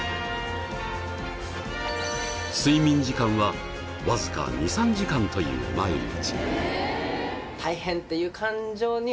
睡眠時間はわずか２３時間という毎日。